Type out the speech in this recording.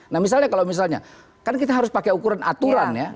nah misalnya kalau misalnya kan kita harus pakai ukuran aturan ya